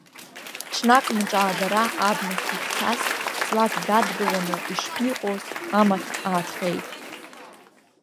Ҽнак мҿаагара абнахь дахьцаз, ҵлак дадгыланы ишԥиҟоз, амаҭ ааҭҟьеит.